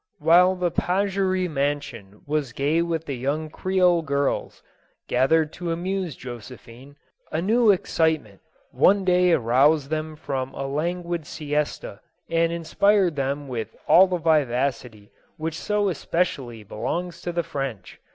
J08EPUINK. 225 While the Pagerie mansion was gay with the young Creole girls, gathered to amuse Josephine, a new ex citement, one day aroused them from a languid siesta and inspired them with all the vivacity which so es pecially belongs to the French.